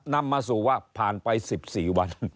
นำมาสู่ว่าผ่านไป๑๔วัน